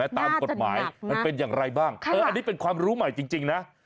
น่าจะหนักนะตามกฎหมายมันเป็นอย่างไรบ้างเอออันนี้เป็นความรู้ใหม่จริงนะ